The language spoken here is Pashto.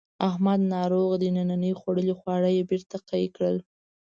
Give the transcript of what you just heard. احمد ناروغ دی ننني خوړلي خواړه یې بېرته قی کړل.